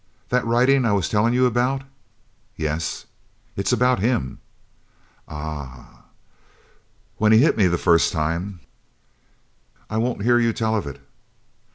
That writin' I was tellin' you about " "Yes?" "It's about him!" "Ah!" "When he hit me the first time " "I won't hear you tell of it!"